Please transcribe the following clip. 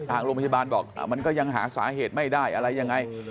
ทางโรงพยาบาลบอกมันก็ยังหาสาเหตุไม่ได้อะไรยังไง